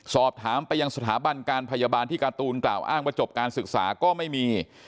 สอบถามไปยังสถาบันการพยาบาลที่การ์ตูนกล่าวอ้างว่าจบการศึกษาก็ไม่มี